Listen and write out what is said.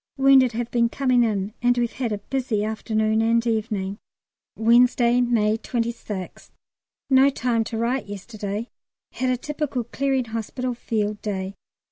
Wounded have been coming in, and we've had a busy afternoon and evening. Wednesday, May 26th. No time to write yesterday; had a typical Clearing Hospital Field Day.